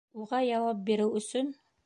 Уға яуап биреү өсөн...